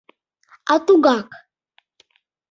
— А тугак.